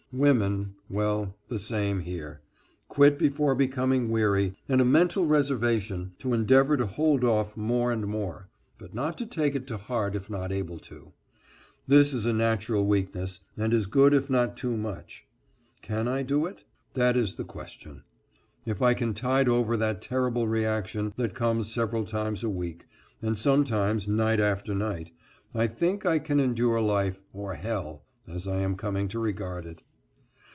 Women, well the same here quit before becoming weary, and a mental reservation to endeavor to hold off more and more, but not to take it to heart if not able to. This is a natural weakness, and is good if not too much. Can I do it? That is the question. If I can tide over that terrible reaction that comes several times a week, and sometimes night after night, I think I can endure life, or hell, as I am coming to regard it.